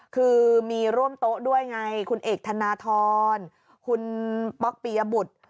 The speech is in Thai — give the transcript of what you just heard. คือมีร่วมโต๊ะด้วยไงคุณเอกธนทรคุณป๊อกปียบุตร